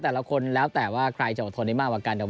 แต่ละคนแล้วแต่ว่าใครจะอดทนได้มากกว่ากัน